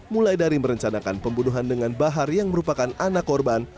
mulai dari merencanakan pembunuhan dengan bahar yang merupakan anak korban